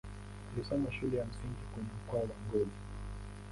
Alisoma shule ya msingi kwenye mkoa wa Ngozi.